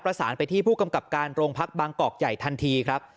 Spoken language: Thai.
ประสานไปที่ผู้กำกับการโรงพักบางกอกใหญ่ทันทีครับ